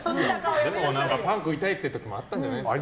でもパン食いたいって時もあったんじゃないですか？